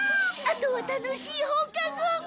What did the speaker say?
あとは楽しい放課後。